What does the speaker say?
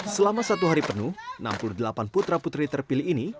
selama satu hari penuh enam puluh delapan putra putri terpilih ini